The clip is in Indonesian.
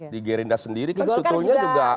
di gerinda sendiri kan sebetulnya juga sepakat